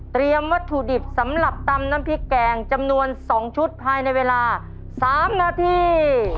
วัตถุดิบสำหรับตำน้ำพริกแกงจำนวน๒ชุดภายในเวลา๓นาที